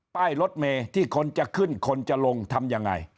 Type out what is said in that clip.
ป้ายรถเมย์ที่คนจะขึ้นคนจะลงทำยังไง